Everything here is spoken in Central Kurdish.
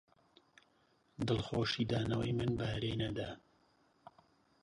دڵخۆشی دانەوەی من بەهرەی نەدا